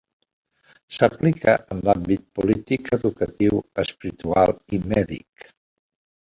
S'aplica en l'àmbit polític, educatiu, espiritual i mèdic.